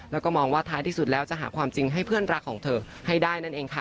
แล้วก็มองว่าท้ายที่สุดแล้วจะหาความจริงให้เพื่อนรักของเธอให้ได้นั่นเองค่ะ